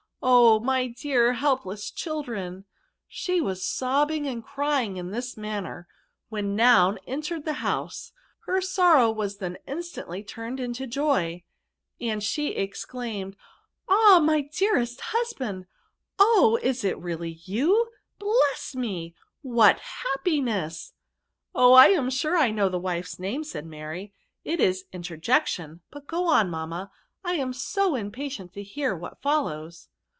Oh! my dear helpless children!' She was sobbing and cr3ring in this manner, whei;! Noun entered the house; her sorrow was then. instantly turned into joy; and she ex claimed, ^^ Ah ! my dearest husband. Oh ! is it really you ? Bless me ! what happiness !'"" Oh ! I am sure I know the wife's name," said Mary ; "it is Interjection, but go on mamma, I am so impatient to hear what follows."